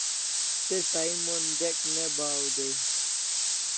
Se sahi mon dek ne bahaw day